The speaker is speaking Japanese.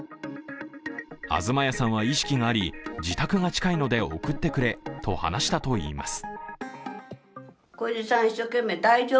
東谷さんは意識があり、自宅が近いので送ってくれと話したといいます。